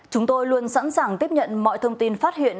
chúng tôi luôn sẵn sàng tiếp nhận mọi thông tin phát hiện